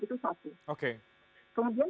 itu satu kemudian